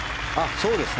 そうですね。